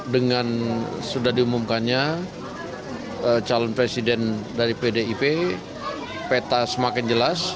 dengan sudah diumumkannya calon presiden dari pdip peta semakin jelas